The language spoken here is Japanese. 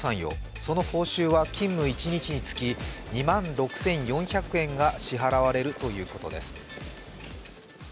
その報酬は勤務一日につき２万６４００円が支払われるということです。